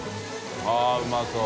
あっうまそう。